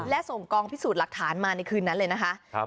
และส่งกองพิสูจน์หลักฐานมาในคืนนั้นเลยนะคะ